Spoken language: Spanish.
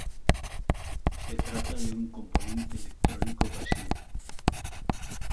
Se trata de un componente electrónico pasivo.